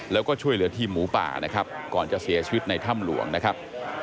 แล้วก็ช่วยเหลือทีมหมูป่านะครับก่อนจะเสียชีวิตในถ้ำหลวงนะครับ